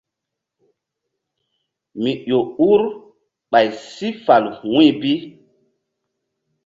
Mi ƴo ur ɓay si fal wu̧y bi.